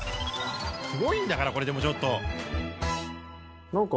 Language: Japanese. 「すごいんだからこれでもちょっと」